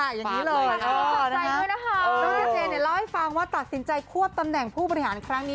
เจนเนี่ยเล่าให้ฟังว่าตัดสินใจควบตำแหน่งผู้ประหลาดครั้งนี้